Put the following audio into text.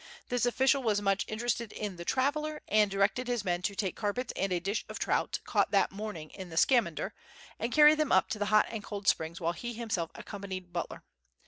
This official was much interested in the traveller and directed his men to take carpets and a dish of trout, caught that morning in the Scamander, and carry them up to the hot and cold springs while he himself accompanied Butler.